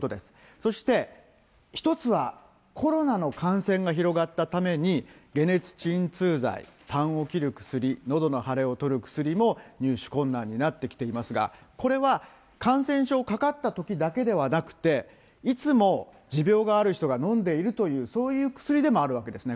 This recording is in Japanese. そして、１つは、コロナの感染が広がったために、解熱鎮痛剤、たんを切る薬、のどの腫れを取る薬も入手困難になってきていますが、これは、感染症かかったときだけではなくて、いつも持病がある人が飲んでいるという、そういう薬でもあるわけですね。